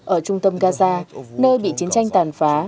ở trung tâm gaza nơi bị chiến tranh tàn phá